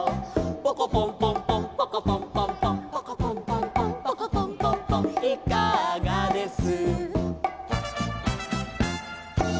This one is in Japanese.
「ポコポンポンポンポコポンポンポン」「ポコポンポンポンポコポンポンポン」「いかがです」